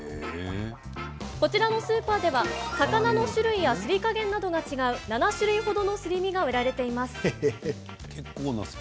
こちらのスーパーでは魚の種類や、すり加減などが違う７種類程のすり身が売られています。